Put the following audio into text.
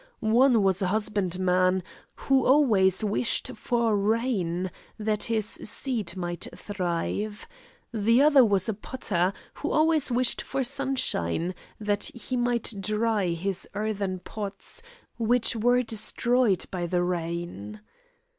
One was a husbandman, who always wished for rain that his seed might thrive. The other was a potter, who always wished for sunshine, that he might dry his earthen pots, which were destroyed by the rain.